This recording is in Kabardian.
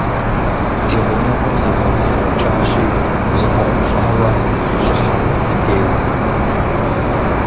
Ди гъунэгъум зигъэублэрэкӀащи, зыкъом щӀауэ къыщӀыхьэркъым ди дей.